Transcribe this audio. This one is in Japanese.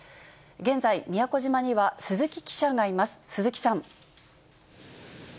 現在、宮古島には鈴木記者がいます、鈴木さん。